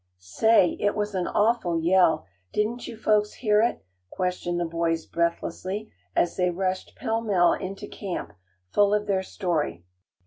"Say, it was an awful yell. Didn't you folks hear it?" questioned the boys breathlessly, as they rushed pell mell into camp, full of their story.